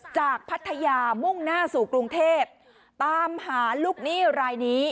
พัทยามุ่งหน้าสู่กรุงเทพตามหาลูกหนี้รายนี้